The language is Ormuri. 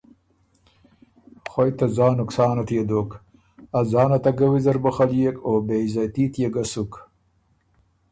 خوئ ته ځان نقصان ات يې دوک، ا ځانه ته ګۀ ویزر بُخَليېک او بی عزتي تيې ګۀ سُک“